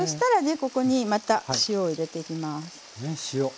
ここにまた塩を入れていきます。